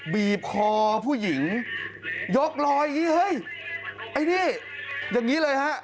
บีบคอผู้หญิงยกรอยอย่างนี้เฮ้ยไอ้นี่อย่างนี้เลยฮะ